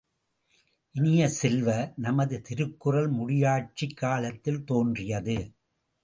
இனிய செல்வ, நமது திருக்குறள் முடியாட்சிக் காலத்தில் தோன்றியது.